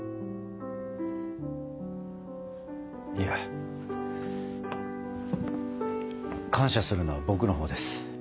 いや感謝するのは僕のほうです。